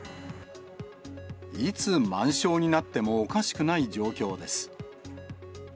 いつ満床になってもおかしくない状況です。